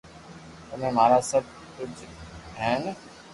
تمي مارا سب ڪوجھ ھين